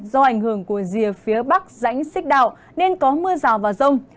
do ảnh hưởng của rìa phía bắc rãnh xích đạo nên có mưa rào vào rông